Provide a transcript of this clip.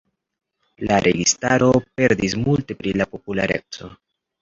La registaro perdis multe pri la populareco.